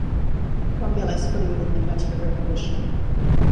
Columbia lies fully within the Connecticut River watershed.